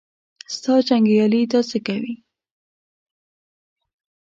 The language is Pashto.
ستا جنګیالي دا څه کوي.